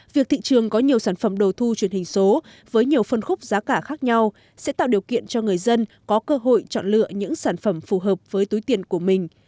việc thị trường có nhiều sản phẩm đồ thu truyền hình số với nhiều phân khúc giá cả khác nhau sẽ tạo điều kiện cho người dân có cơ hội chọn lựa những sản phẩm phù hợp với túi tiền của mình